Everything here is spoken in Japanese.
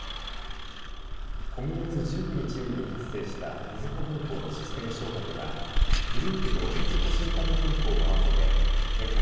今月１９日夜に発生したみずほ銀行のシステム障害ではグループのみずほ信託銀行も合わせて全国